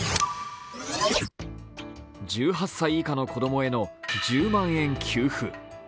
１８歳以下の子供への１０万円給付。